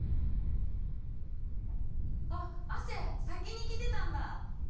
あっ亜生先に来てたんだ。